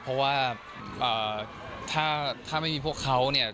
เพราะว่าถ้าไม่มีพวกเขา